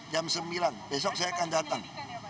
jam sembilan besok saya akan datang